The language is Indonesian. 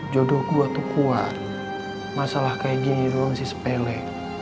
jodoh gue tuh kuat masalah kayak gini masih sepele